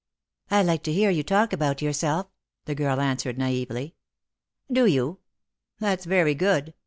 "I like to hear you talk about yourself," the girl answered naively. " Do you ? That's very good.